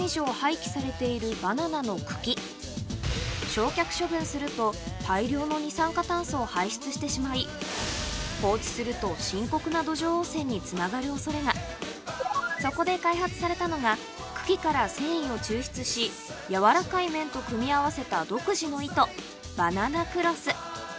焼却処分すると大量の二酸化炭素を排出してしまい放置すると深刻な土壌汚染につながる恐れがそこで開発されたのが茎から繊維を抽出し柔らかい綿と組み合わせた独自の糸・バナナクロス